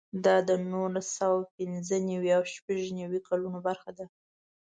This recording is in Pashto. دا د نولس سوه پنځه نوي او شپږ نوي کلونو خبره ده.